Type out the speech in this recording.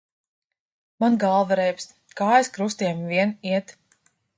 Man galva reibst, kājas krustiem vien iet.